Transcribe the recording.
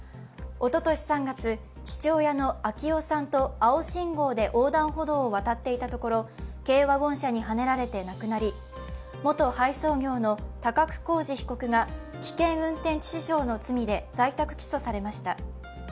おととし３月、父親の暁生さんと青信号で横断歩道を渡っていたところ軽ワゴン車にはねられて亡くなり、元配送業の高久浩二被告が危険運転致死傷の疑いで在宅起訴されました。